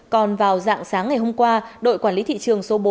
còn vào dạng sáng ngày hôm qua đội quản lý thị trường số bốn